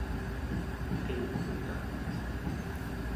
qinrutaq